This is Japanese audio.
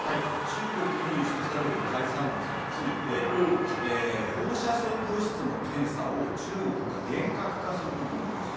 中国に輸出される海産物について放射性物質の検査を、中国が厳格化することになりました。